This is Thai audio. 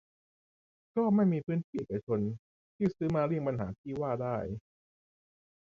ก็ไม่มีพื้นที่เอกชน ที่ซื้อมาเลี่ยงปัญหาที่ว่าได้